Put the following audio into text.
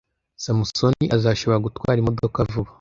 Samusoni azashobora gutwara imodoka vuba.